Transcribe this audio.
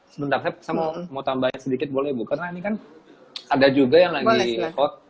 sebentar saya mau tambahin sedikit boleh bu karena ini kan ada juga yang lagi